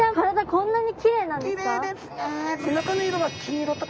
こんなにきれいなんですか？